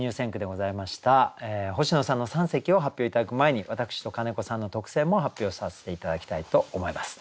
星野さんの三席を発表頂く前に私と金子さんの特選も発表させて頂きたいと思います。